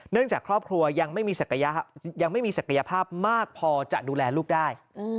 เนื่องจากครอบครัวยังไม่มีศักยภาพมากพอจะดูแลลูกได้